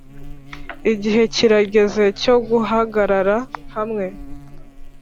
igihe kirageze cyo guhagarara hamwe